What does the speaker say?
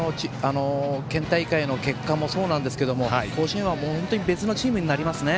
県大会の結果もそうですが甲子園は本当に別のチームになりますね。